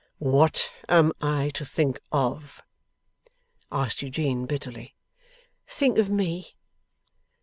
'What am I to think of?' asked Eugene, bitterly. 'Think of me.